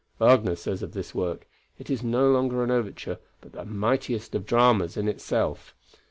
Wagner says of this work, "It is no longer an overture, but the mightiest of dramas in itself."